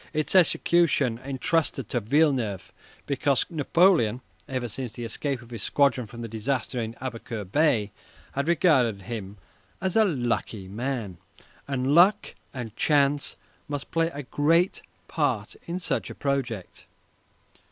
Its execution was entrusted to Villeneuve, because Napoleon, ever since the escape of his squadron from the disaster in Aboukir Bay, had regarded him as "a lucky man," and luck and chance must play a great part in such a project.